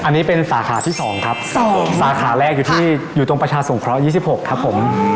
อันนี้เป็นสาขาที่๒ครับ๒สาขาแรกอยู่ที่อยู่ตรงประชาสงเคราะห์๒๖ครับผม